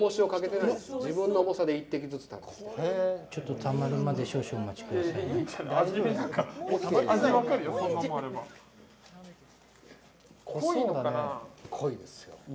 たまるまで少々お待ちください。